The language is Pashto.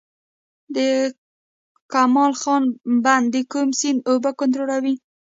د کمال خان بند د کوم سیند اوبه کنټرولوي؟